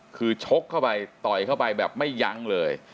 คือชกเข้าไปต่อยเข้าไปแบบไม่ยั้งเลย